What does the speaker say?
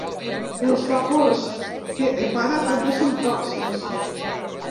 Els vapors que emana també són tòxics.